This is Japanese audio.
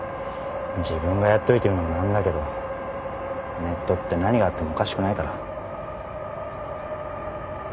自分がやっといて言うのも何だけどネットって何があってもおかしくないから。